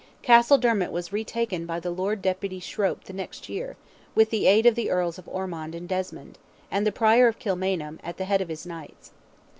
Castledermot was retaken by the Lord Deputy Scrope the next year, with the aid of the Earls of Ormond and Desmond, and the Prior of Kilmainham, at the head of his Knights.